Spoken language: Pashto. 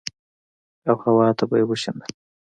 او هوا ته به يې وشيندل.